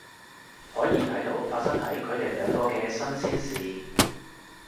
可以睇到發生喺佢哋兩個嘅新鮮事